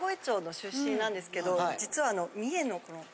実は。